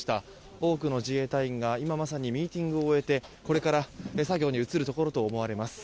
多くの自衛隊員が今まさにミーティングを終えてこれから作業に移ることと思われます。